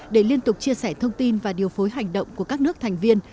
để liên tục chia sẻ thông tin và điều phối hành động của các nước thành viên